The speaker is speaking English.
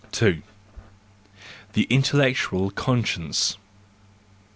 2 . The Intellectual Conscience